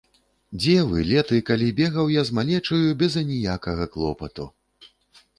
Дзе вы, леты, калі бегаў я з малечаю без аніякага клопату?